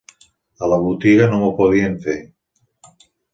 A la botiga no m'ho podien fer.